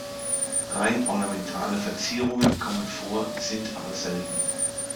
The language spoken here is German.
Rein ornamentale Verzierungen kommen vor, sind aber selten.